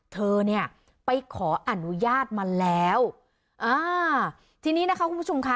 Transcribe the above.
เธอเนี่ยไปขออนุญาตมาแล้วอ่าทีนี้นะคะคุณผู้ชมค่ะ